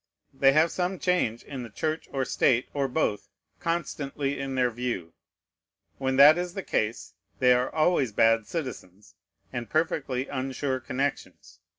They have some change in the Church or State, or both, constantly in their view. When that is the case, they are always bad citizens, and perfectly unsure connections.